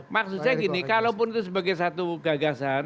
maksudnya gini kalaupun itu sebagai satu gagasan